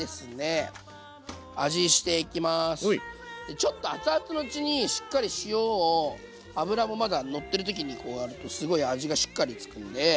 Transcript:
ちょっと熱々のうちにしっかり塩を油もまだのってるときにこうやるとすごい味がしっかり付くんで。